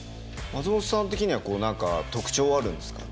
松本さん的にはこう何か特徴はあるんですか？